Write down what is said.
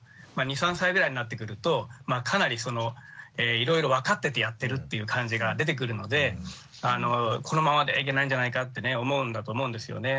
２３歳ぐらいになってくるとかなりそのいろいろ分かっててやってるっていう感じが出てくるのでこのままではいけないんじゃないかってね思うんだと思うんですよね。